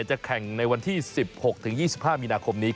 จะแข่งในวันที่๑๖๒๕มีนาคมนี้